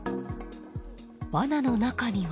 わなの中には。